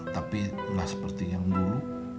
tapi tidak seperti yang dulu